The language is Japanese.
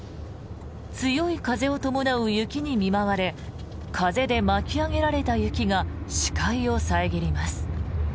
強い風を伴う雪に見舞われ風で巻き上げられた雪が視界を遮ります。